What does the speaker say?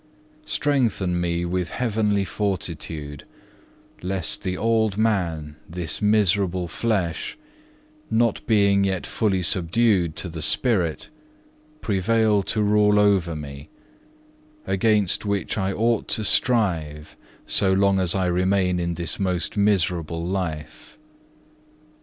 Strengthen me with heavenly fortitude, lest the old man, this miserable flesh, not being yet fully subdued to the spirit, prevail to rule over me; against which I ought to strive so long as I remain in this most miserable life.